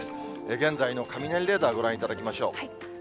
現在の雷レーダーご覧いただきましょう。